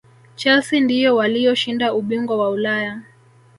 chelsea ndiyo waliyoshinda ubingwa wa ulaya